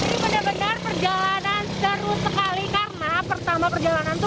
ini benar benar perjalanan seru sekali karena pertama perjalanan itu